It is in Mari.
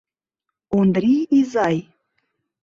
«Ондрий изай.